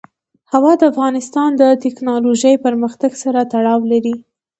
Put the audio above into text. هوا د افغانستان د تکنالوژۍ پرمختګ سره تړاو لري.